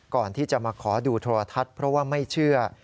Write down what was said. ก่อนที่จะมาขอดูโทรทัศน์เพราะว่าไม่เชื่อ